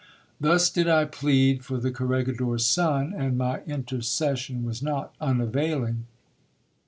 Thus did I plead for the corregidor's son, and my intercession was not un availing.